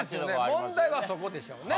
問題はそこでしょうね。